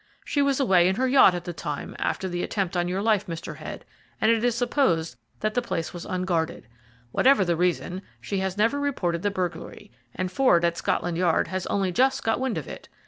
She was away in her yacht at the time, after the attempt on your life, Mr. Head; and it is supposed that the place was unguarded. Whatever the reason, she has never reported the burglary, and Ford at Scotland Yard has only just got wind of it.